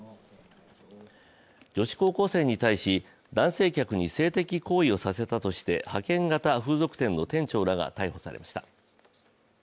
女子高校生に対し、男性客に性的行為をさせたとして派遣型風俗店の店長らが逮捕されました。